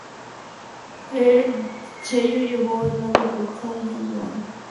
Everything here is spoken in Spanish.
El sello lleva por nombre Cool Du Monde.